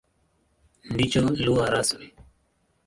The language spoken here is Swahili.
Ndicho lugha rasmi.